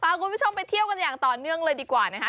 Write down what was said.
คุณผู้ชมไปเที่ยวกันอย่างต่อเนื่องเลยดีกว่านะคะ